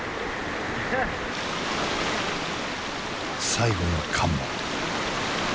最後の関門。